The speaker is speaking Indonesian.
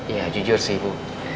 ya jujur sih bu